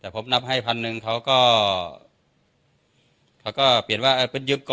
ผมนำให้๑๐๐๐เขาก็เปลี่ยนว่าเป็นยืม